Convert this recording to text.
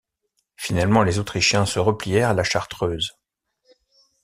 Finalement les Autrichiens se replièrent à la Chartreuse.